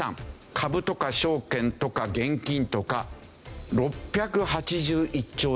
株とか証券とか現金とか６８１兆円あるんですね。